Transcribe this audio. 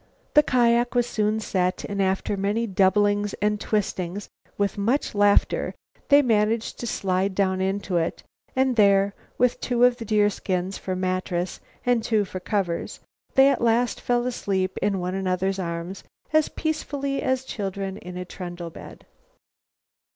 The kiak was soon set, and, after many doublings and twistings, with much laughter they managed to slide down into it, and there, with two of the deerskins for a mattress and two for covers, they at last fell asleep in one another's arms, as peacefully as children in a trundle bed.